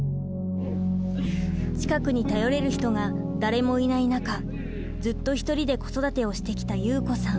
近くに頼れる人が誰もいない中ずっと１人で子育てをしてきた祐子さん。